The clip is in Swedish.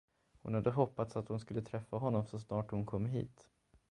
Hon hade hoppats att hon skulle träffa honom så snart hon kom hit.